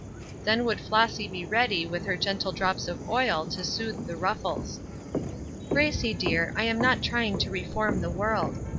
Then would Flossy be ready with her gentle drops of oil to soothe the ruffles. "Gracie, dear, I am not trying to reform the world.